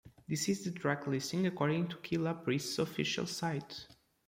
This is the track listing according to Killah Priest's official site.